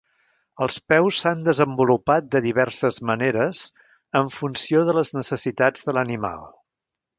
Els peus s'han desenvolupat de diverses maneres en funció de les necessitats de l'animal.